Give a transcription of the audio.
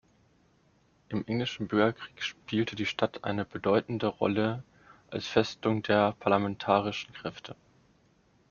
Im Englischen Bürgerkrieg spielte die Stadt eine bedeutende Rolle als Festung der parlamentarischen Kräfte.